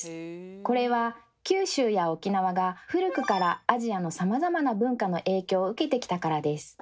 これは九州や沖縄が古くからアジアのさまざまな文化の影響を受けてきたからです。